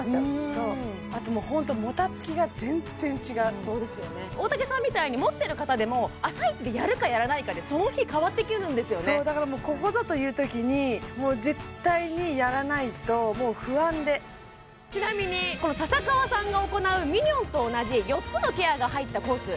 そうあともうホントもたつきが全然違う大竹さんみたいに持ってる方でも朝イチでやるかやらないかでその日変わってくるんですよねだからもうここぞというときにもう絶対にやらないともう不安でちなみにこの笹川さんが行うミニョンと同じ４つのケアが入ったコース